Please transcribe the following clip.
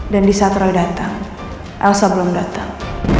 dan di saat roy datang elsa belum datang